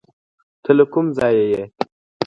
ته له کوم ځایه یې؟